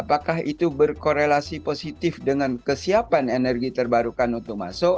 apakah itu berkorelasi positif dengan kesiapan energi terbarukan untuk masuk